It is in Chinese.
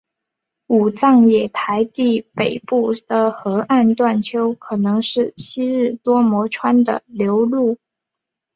武藏野台地北部的河岸段丘可能是昔日多摩川的流路。